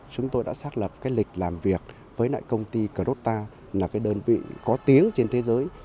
chúng tôi đã xác lập lịch làm việc với công ty crota là đơn vị có tiếng trên thế giới